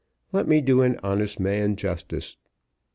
Let me do an honest man justice.